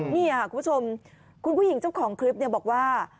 นี่ค่ะคุณผู้ชมคุณผู้หญิงเจ้าของคลิปบอกว่า